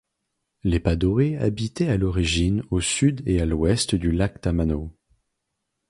Les Padoe habitaient à l'origine au Sud et à l'Ouest du lac Tamano.